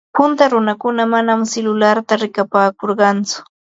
Punta runakuna manam silularta riqipaakurqatsu.